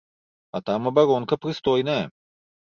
А там абаронка прыстойная.